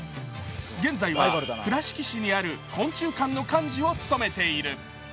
現在は倉敷市にある昆虫館の幹事を務めている。